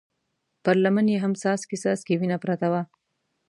پر لمن يې هم څاڅکی څاڅکی وينه پرته وه.